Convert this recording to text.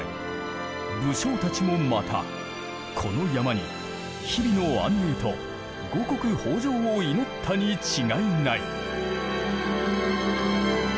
武将たちもまたこの山に日々の安寧と五穀豊穣を祈ったに違いない。